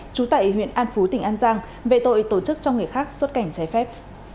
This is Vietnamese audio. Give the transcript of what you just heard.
trú tại huyện an phú tỉnh an giang về tội tổ chức cho người khác xuất cảnh trái phép